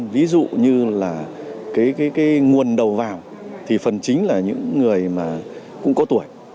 ví dụ như là cái nguồn đầu vào thì phần chính là những người mà cũng có tuổi